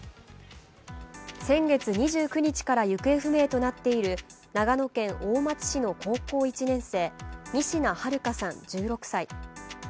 先月２９日から行方不明となっている長野県大町市の高校１年生仁科日花さん１６歳。